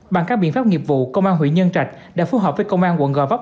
bằng các biện pháp nghiệp vụ công an huyện nhân trạch đã phù hợp với công an quận gò vấp